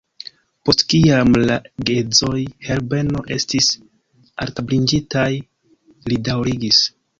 Post kiam la geedzoj Herbeno estis altabliĝintaj, li daŭrigis: